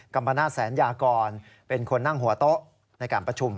ัมปนาศแสนยากรเป็นคนนั่งหัวโต๊ะในการประชุม